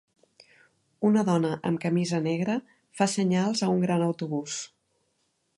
Una dona amb camisa negra fa senyals a un gran autobús.